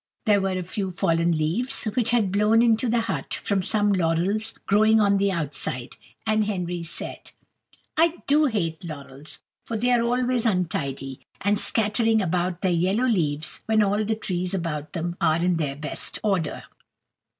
There were a few fallen leaves which had blown into the hut from some laurels growing on the outside; and Henry said: "I do hate laurels; for they are always untidy, and scattering about their yellow leaves when all the trees about them are in their best order."